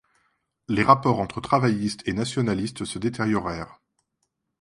Les rapports entre Travaillistes et Nationalistes se détériorèrent.